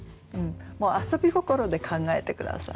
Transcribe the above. もう遊び心で考えて下さい。